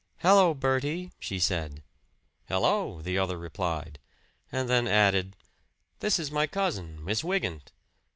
"Hello, Bertie!" she said. "Hello!" the other replied, and then added. "This is my cousin, Miss Wygant.